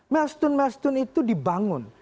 mel stun mel stun itu dibangun